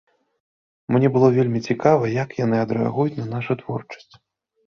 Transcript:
Мне было вельмі цікава, як яны адрэагуюць на нашу творчасць.